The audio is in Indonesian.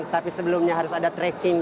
tapi sebelumnya harus ada tracking